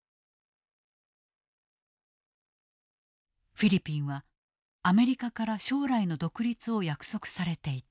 フィリピンはアメリカから将来の独立を約束されていた。